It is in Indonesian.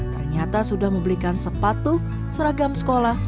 ternyata sudah membelikan sepatu seragam sekolah